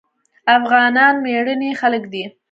افغانان مېړني خلک دي.